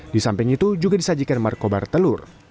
di samping itu juga disajikan markobar telur